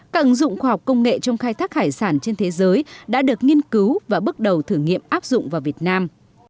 các ứng dụng khoa học công nghệ trong khai thác hải sản trên thế giới đã được nghiên cứu và bước đầu thử nghiệm áp dụng vào việt nam